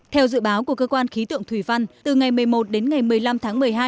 theo dự báo của cơ quan khí tượng thủy văn từ ngày một mươi một đến ngày một mươi năm tháng một mươi hai